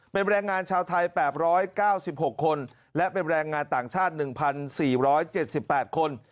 เป็นแรงงานชาวไทย๘๙๖คนและเป็นแรงงานต่างชาติ๑๔๗๘คน